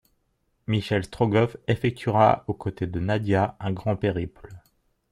Michel Strogoff effectuera aux côtés de Nadia un grand périple...